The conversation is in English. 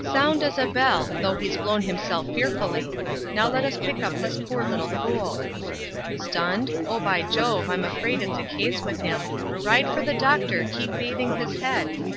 Sound as a bell! though he's blown himself fearfully, Now let us pick up this poor little fool. 'Stunned? Oh, by Jove, I'm afraid it's a case with him; Ride for the doctor! keep bathing his head!